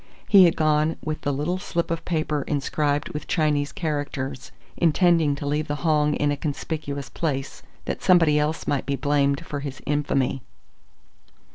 He had gone with the little slip of paper inscribed with Chinese characters, intending to leave the Hong in a conspicuous place, that somebody else might be blamed for his infamy.